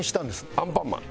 アンパンマン。